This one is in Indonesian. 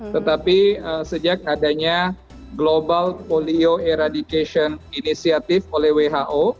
tetapi sejak adanya global polio eradication initiative oleh who